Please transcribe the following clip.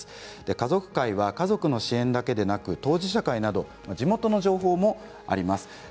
家族会は家族の支援だけではなく当事者会など地元の情報もあります。